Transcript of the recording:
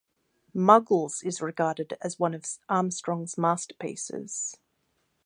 "Muggles" is regarded as one of Armstrong's masterpieces.